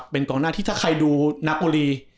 เป็นกองหน้าที่ถ้าใครดูนาปอลี่